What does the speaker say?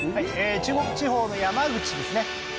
中国地方の山口ですね